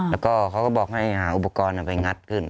แล้วก็เขาก็บอกให้หาอุปกรณ์ไปงัดขึ้น